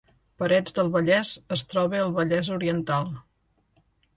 Parets del Vallès es troba al Vallès Oriental